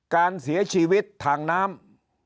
การเสียชีวิตทางน้ำ